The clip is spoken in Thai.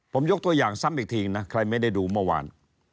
ผมยกตัวอย่างซ้ำอีกทีนะใครไม่ได้ดูเมื่อวาน